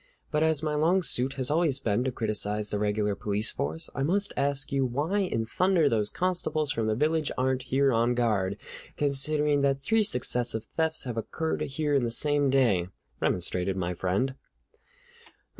But as my long suit has always been to criticize the regular police force, I must ask you why in thunder those constables from the village aren't here on guard, considering that three successive thefts have occurred here in the same day," remonstrated my friend.